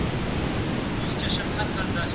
څېړنه د پوهاوي کچه لوړوي.